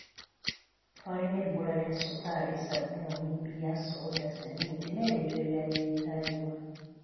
Twalina ebbula lya ssukaali, ssabbuuni, bbiya, sooda, sseminti n'ebintu ebirala ebyetaagibwa.